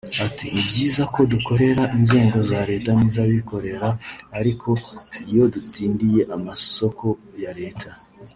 Ati “Ni byiza ko dukorera inzego za Leta n’iz’abikorera ariko iyo dutsindiye amasoko ya Leta